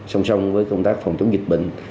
song song với công tác phòng chống dịch bệnh